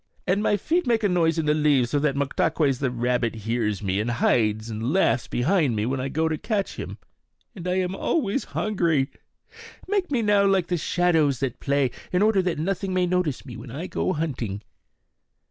And my feet make a noise in the leaves, so that Moktaques the rabbit hears me, and hides, and laughs behind me when I go to catch him. And I am always hungry. Make me now like the shadows that play, in order that nothing may notice me when I go hunting."